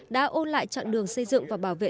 đã ôn lại chặng đường xây dựng và bảo vệ